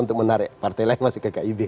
untuk menarik partai lain masuk ke kib